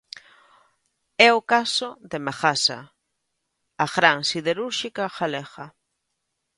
É o caso de Megasa, a gran siderúrxica galega.